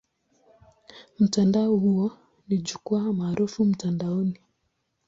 Mtandao huo ni jukwaa maarufu mtandaoni.